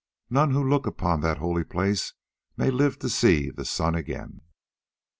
None who look upon that holy place may live to see the sun again."